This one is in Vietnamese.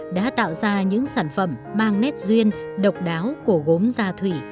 đã tạo ra những sản phẩm mang nét duyên độc đáo của quốc gia